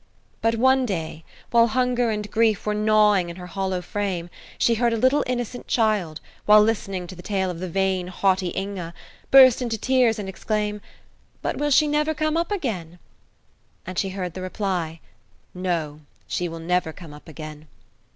But one day, while hunger and grief were gnawing in her hollow frame, she heard a little, innocent child, while listening to the tale of the vain, haughty Inge, burst into tears and exclaim, "But will she never come up again?" And she heard the reply, "No, she will never come up again."